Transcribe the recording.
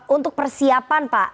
untuk persiapan pak